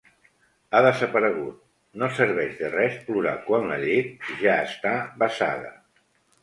Ha desaparegut, no serveix de res plorar quan la llet ja està vessada